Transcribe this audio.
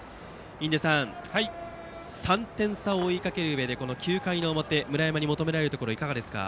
印出さん、３点差を追いかけるうえで９回の表村山に求められるところはいかがですか。